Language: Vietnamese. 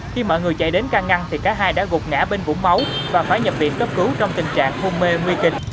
khi mọi người chạy đến can ngăn thì cả hai đã gục ngã bên vũ máu và phải nhập viện cấp cứu trong tình trạng hôn mê nguy kịch